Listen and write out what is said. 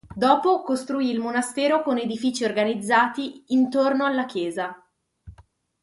Dopo costruì il monastero con edifici organizzati in torno alla chiesa.